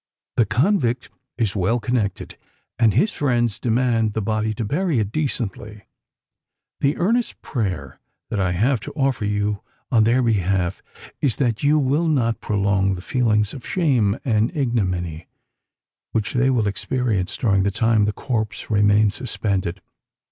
The convict is well connected, and his friends demand the body to bury it decently. The earnest prayer that I have to offer you on their behalf, is that you will not prolong the feelings of shame and ignominy which they will experience during the time the corpse remains suspended."